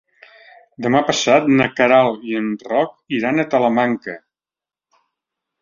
Demà passat na Queralt i en Roc iran a Talamanca.